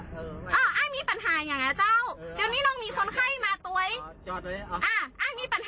โน่งเขามีคนไข้มาโน่งเขาจะเอาคนไข้กับเมืองธรรม